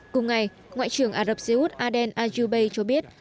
cùng ngày ngoại trưởng ả rập xê út aden ajubei cho biết